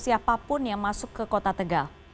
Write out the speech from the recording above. siapapun yang masuk ke kota tegal